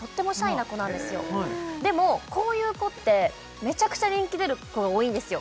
こういう子ってメチャクチャ人気出る子が多いんですよ